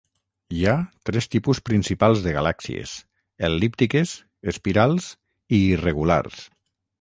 Hi ha tres tipus principals de galàxies: el·líptiques, espirals, i irregulars.